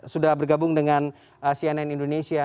sudah bergabung dengan cnn indonesia